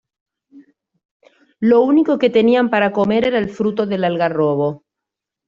Lo único que tenían para comer era el fruto del algarrobo.